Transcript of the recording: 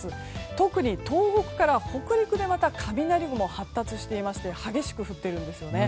特に東北から北陸で雷雲が発達していまして激しく降っているんですね。